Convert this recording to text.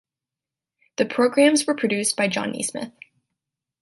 The programmes were produced by Jon Naismith.